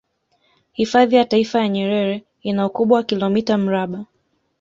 Hifadhi ya taifa ya Nyerere ina ukubwa wa kilomita mraba